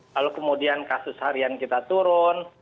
lalu kemudian kasus harian kita turun